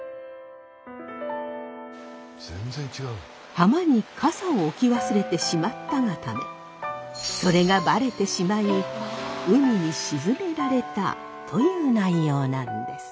浜に笠を置き忘れてしまったがためそれがばれてしまい海に沈められたという内容なんです。